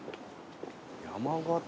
山形。